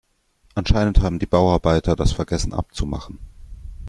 Anscheinend haben die Bauarbeiter das vergessen abzumachen.